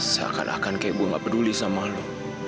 seakan akan kayak gue gak peduli sama lo